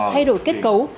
hay đổi kết cấu